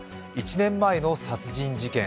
１年前の殺人事件。